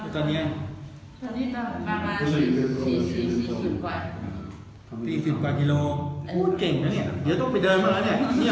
อุ้นเก่งน่ะเนี่ยเดี๋ยวต้องไปเดินมาเนี่ย